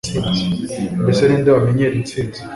mbese ni nde wamenyera insinzi